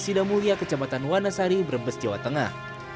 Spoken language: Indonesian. sidamulia kecepatan wanasari brebes jawa tengah